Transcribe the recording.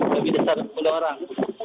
lebih dari sepuluh orang